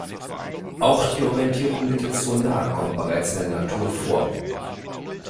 Auch die Orientierung mittels Sonar kommt bereits in der Natur vor.